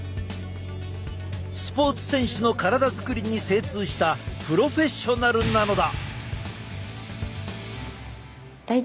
スポーツ選手の体作りに精通したプロフェッショナルなのだ！